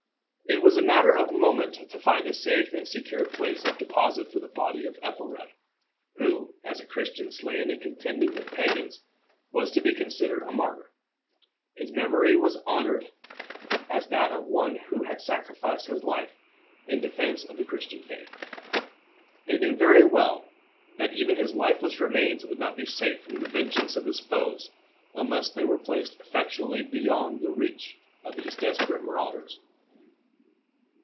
It was a matter of moment to find a safe and secure place of deposit for the body of Ethelred, who, as a Christian slain in contending with pagans, was to be considered a martyr. His memory was honored as that of one who had sacrificed his life in defense of the Christian faith. They knew very well that even his lifeless remains would not be safe from the vengeance of his foes unless they were placed effectually beyond the reach of these desperate marauders.